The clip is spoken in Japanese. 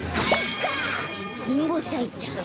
リンゴさいた。